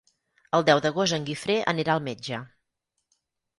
El deu d'agost en Guifré anirà al metge.